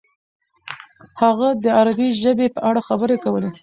هغه د عربي ژبې په اړه خبرې کولې.